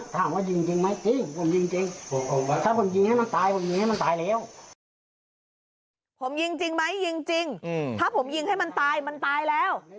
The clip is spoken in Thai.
ถ้าผมยิงให้มันตายผมเงี้ยใหม่ตายแล้ว